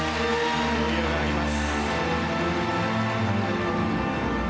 余裕があります。